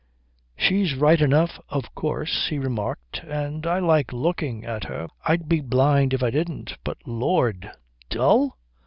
"She's right enough, of course," he remarked, "and I like looking at her. I'd be blind if I didn't. But Lord, dull?